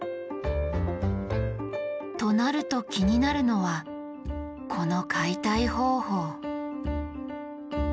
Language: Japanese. となると気になるのはこの解体方法。